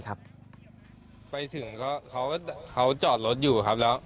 เขาจอดรถอยู่